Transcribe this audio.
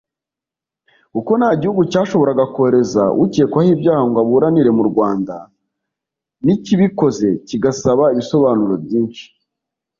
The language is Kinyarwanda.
kuko nta gihugu cyashoboraga kohereza ukekwaho ibyaha ngo aburanire mu Rwanda n’ikibikoze kigasaba ibisobanuro byinshi